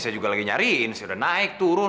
saya juga lagi nyariin sudah naik turun